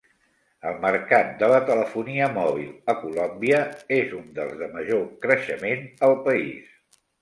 El mercat de la telefonia mòbil a Colòmbia és un dels de major creixement al país.